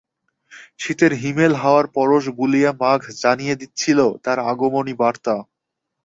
শীতের হিমেল হাওয়ার পরশ বুলিয়ে মাঘ জানিয়ে দিচ্ছিল তার আগমনী বার্তা।